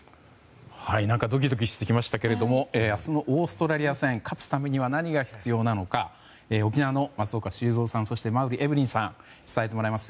ドキドキしてきましたが明日のオーストラリア戦勝つためには何が必要なのか沖縄の松岡修造さんそして馬瓜エブリンさんに伝えてもらいます。